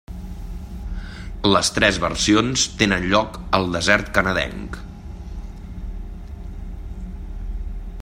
Les tres versions tenen lloc al desert canadenc.